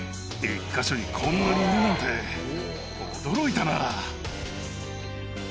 １か所にこんなにいるなんて驚いたな。